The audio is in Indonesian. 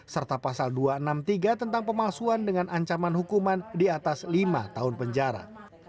serta pasal dua ratus enam puluh tiga tentang pemalsuan dengan ancaman hukuman di atas lima tahun penjara